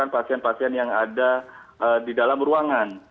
pasien pasien yang ada di dalam ruangan